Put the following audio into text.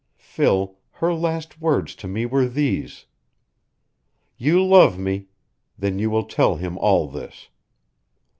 Phil, her last words to me were these: 'You love me. Then you will tell him all this.